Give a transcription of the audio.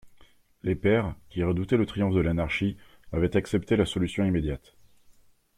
Les Pairs, qui redoutaient le triomphe de l'anarchie, avaient accepté la solution immédiate.